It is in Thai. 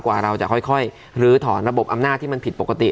กว่าเราจะค่อยลื้อถอนระบบอำนาจที่มันผิดปกติ